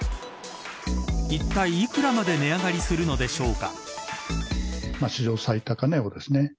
いったい幾らまで値上がりするのでしょうか。